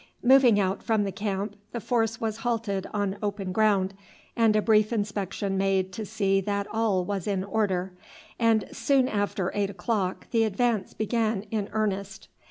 Moving out from the camp the force was halted on open ground and a brief inspection made to see that all was in order, and soon after eight o'clock the advance began in earnest.